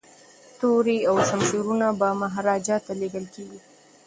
توري او شمشیرونه به مهاراجا ته لیږل کیږي.